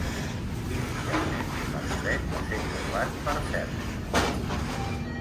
Inicialment, l'estret va ser creuat per ferris.